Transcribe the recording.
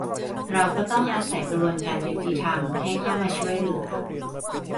เราก็ต้องอาศัยกระบวนการยุติธรรมให้เข้ามาช่วยเหลือ